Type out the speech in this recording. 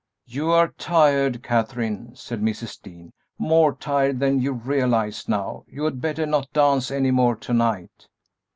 "You are tired, Katherine," said Mrs. Dean, "more tired than you realize now; you had better not dance any more to night."